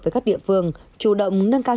với các địa phương chủ động nâng cao